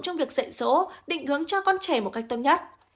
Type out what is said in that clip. trong việc dạy dỗ định hướng cho con trẻ một cách tốt nhất